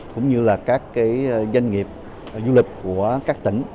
cũng như là các doanh nghiệp du lịch của các tỉnh